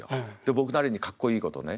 僕なりにかっこいいことをね。